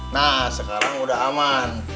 nah sekarang udah aman